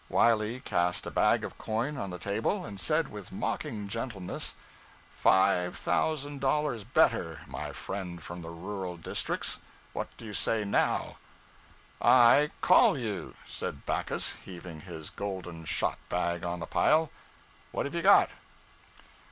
Wiley cast a bag of coin on the table, and said with mocking gentleness 'Five thousand dollars better, my friend from the rural districts what do you say now?' 'I _call _you!' said Backus, heaving his golden shot bag on the pile. 'What have you got?'